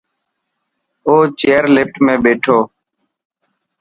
او چئر لفٽ ۾ ٻيٺو.